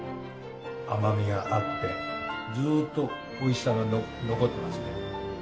甘みがあってずっとおいしさが残ってますね。